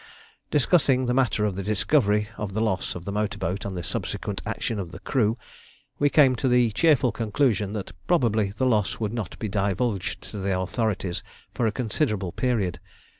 Discussing the matter of the discovery of the loss of the motor boat and the subsequent action of the crew, we came to the cheerful conclusion that probably the loss would not be divulged to the authorities for a considerable period.